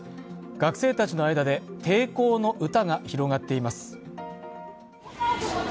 学生たちの間で抵抗の歌が広がっています。